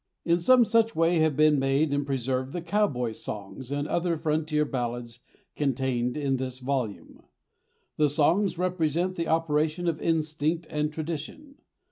In some such way have been made and preserved the cowboy songs and other frontier ballads contained in this volume. The songs represent the operation of instinct and tradition.